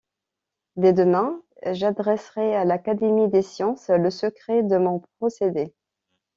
Dès demain, j’adresserai à l’Académie des Sciences le secret de mon procédé!